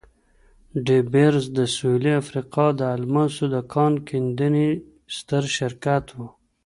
ډي بیرز د سوېلي افریقا د الماسو د کان کیندنې ستر شرکت وو.